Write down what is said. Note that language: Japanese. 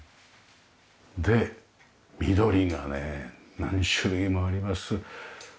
で緑がね何種類もあります。